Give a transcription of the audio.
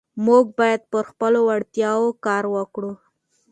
موږ باید پر خپلو وړتیاوو کار وکړو